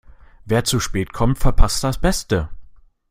Wer zu spät kommt, verpasst das Beste.